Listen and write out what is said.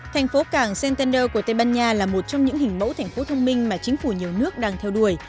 thành phố cảng centender của tây ban nha là một trong những hình mẫu thành phố thông minh mà chính phủ nhiều nước đang theo đuổi